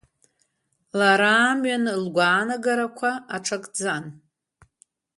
Лара амҩан лгәаанагарақәа аҽакӡан.